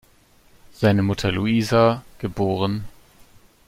Seine Mutter Louisa, geb.